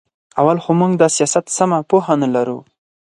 اول خو موږ د سیاست سمه پوهه نه لرو.